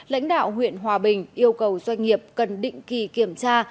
lãnh đạo huyện hòa bình yêu cầu doanh nghiệp cần định kỳ kiểm tra